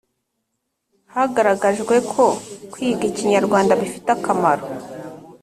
Hagaragajwe ko kwiga Ikinyarwanda bifite akamaro